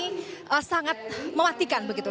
malah sangat mematikan begitu